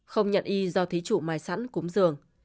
không nhận y do thí chủ mai sẵn cúm giường